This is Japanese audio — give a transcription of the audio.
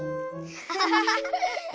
アハハハ！